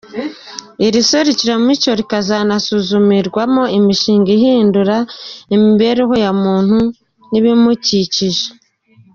Iri serukiramuco rikazanasuzumirwamo imishinga ihindura imibereho ya muntu n’ibimukikije.